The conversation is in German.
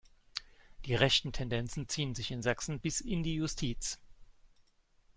Die rechten Tendenzen ziehen sich in Sachsen bis in die Justiz.